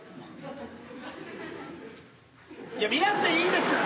いや見なくていいですから。